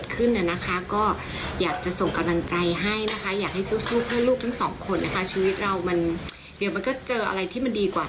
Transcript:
ทุนการศึกษาให้กับลูกน้องพิมด้วยอะคะถ้าเกิดว่า